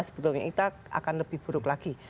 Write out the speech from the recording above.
sebetulnya kita akan lebih buruk lagi